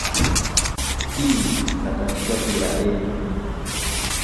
"t" na katikati ya "n"